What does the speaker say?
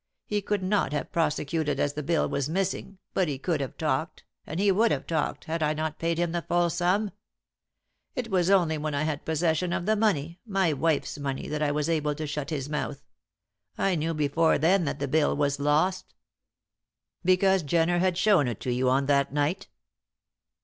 He could not have prosecuted as the bill was missing, but he could have talked, and he would have talked, had I not paid him the full sum. It was only when I had possession of the money my wife's money that I was able to shut his mouth. I knew before then that the bill was lost." "Because Jenner had shewn it to you on that night?"